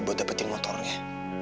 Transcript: buat dapetin motornya